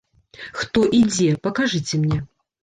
Хто і дзе, пакажыце мне?